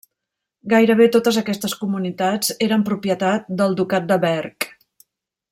Gairebé totes aquestes comunitats eren propietat del ducat de Berg.